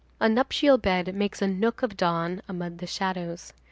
A nuptial bed makes a nook of dawn amid the shadows.